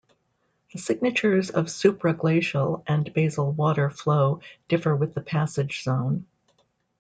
The signatures of supraglacial and basal water flow differ with the passage zone.